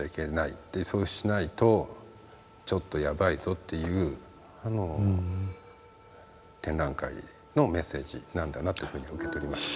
そしてそうしないとちょっとやばいぞっていう展覧会のメッセージなんだなっていうふうに受け取りました。